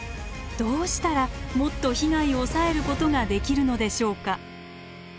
どうしたらもっと被害を抑えることができるのでしょうか？